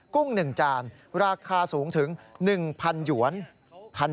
กุ้ง๑จานราคาสูงถึง๑๐๐หยวน